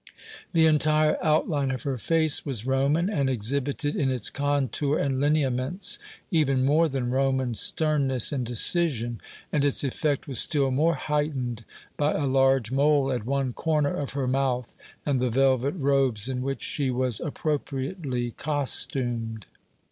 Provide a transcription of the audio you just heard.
The entire outline of her face was Roman, and exhibited in its contour and lineaments even more than Roman sternness and decision; and its effect was still more heightened by a large mole at one corner of her mouth and the velvet robes in which she was appropriately costumed.